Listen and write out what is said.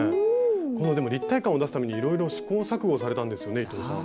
このでも立体感を出すためにいろいろ試行錯誤されたんですよね伊藤さん。